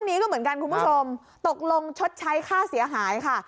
นี้ก็เหมือนกันคุณผู้ชมตกลงชดใช้ค่าเสียหายค่ะ